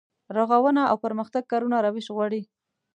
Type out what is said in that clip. رغونې او پرمختګ کارونه روش غواړي.